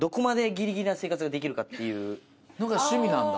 お金を？のが趣味なんだ。